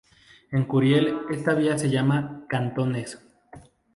En Curiel esta vía se llama "Cantones".